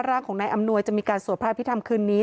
ร่างของนายอำนวยจะมีการสวดพระอภิษฐรรมคืนนี้